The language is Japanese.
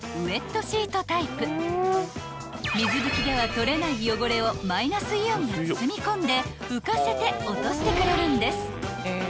［水拭きでは取れない汚れをマイナスイオンが包み込んで浮かせて落としてくれるんです］